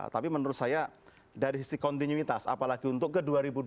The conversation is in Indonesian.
tapi menurut saya dari sisi kontinuitas apalagi untuk ke dua ribu dua puluh